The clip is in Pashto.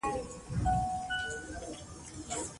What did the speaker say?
ډاکټره ولي د لوړ ږغ سره پاڼه ړنګه کړه؟